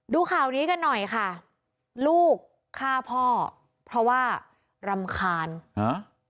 ดูข่าวนี้กันหน่อยค่ะลูกฆ่าพ่อเพราะว่ารำคาญฮะ